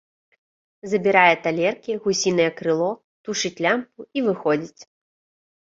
Забірае талеркі, гусінае крыло, тушыць лямпу і выходзіць.